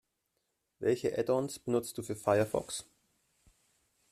Welche Add-ons nutzt du für Firefox?